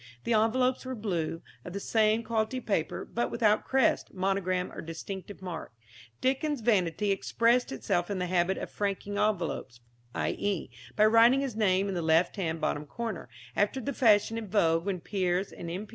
The envelopes were blue, of the same quality paper, but without crest, monogram or distinctive mark. Dickens' vanity expressed itself in the habit of franking envelopes, i.e., by writing his name in the left hand bottom corner, after the fashion in vogue when Peers and M.